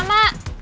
nggak pakai lama